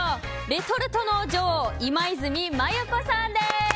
レトルトの女王今泉マユ子さんです。